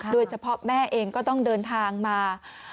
โดยเฉพาะแม่เองก็ต้องเดินทางมา